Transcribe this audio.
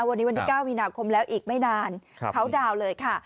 วันนี้วันที่๙มีนาคมแล้วอีกไม่นานเขาดาวน์เลยค่ะ